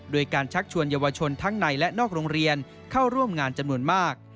โดยการชักชวนเยาวชนทั้งในและนอกโรงเรียนเข้าร่วมงานจำนวนมาก